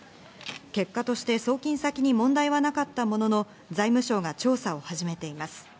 結果として送金先に問題はなかったものの、財務省が調査を始めています。